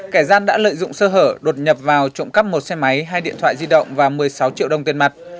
kẻ gian đã lợi dụng sơ hở đột nhập vào trộm cắp một xe máy hai điện thoại di động và một mươi sáu triệu đồng tiền mặt